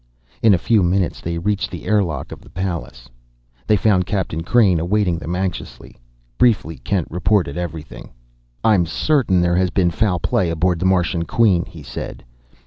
In a few minutes they reached the airlock of the Pallas. They found Captain Crain awaiting them anxiously. Briefly Kent reported everything. "I'm certain there has been foul play aboard the Martian Queen," he said.